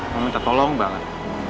meminta tolong banget